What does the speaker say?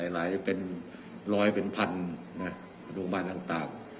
หลายเป็นร้อยเป็นพันโรงพยาบาลต่าง